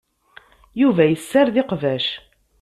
Yuba yessared iqbac.